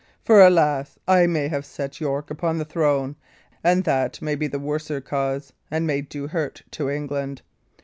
For, alas! I may have set York upon the throne, and that may be the worser cause, and may do hurt to England.